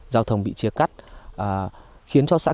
giao thông bị chia cắt